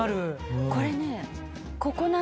これね。